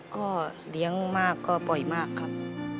ก็เลี้ยงมากก็บ่อยมากครับ